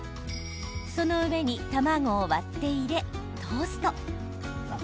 その上に卵を割って入れトースト。